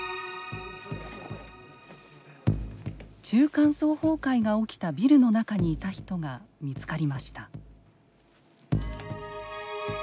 中間層崩壊が起きたビルの中にいた人が見つかりました。